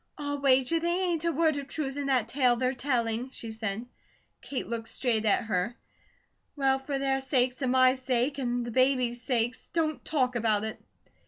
"I'll wager they ain't a word of truth in that tale they're telling," she said. Kate looked straight at her: "Well, for their sakes and my sake, and the babies' sake, don't TALK about it."